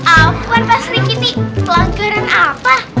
apaan pak sri kiti pelanggaran apa